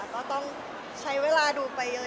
ก็ต้องใช้เวลาดูไปเยอะ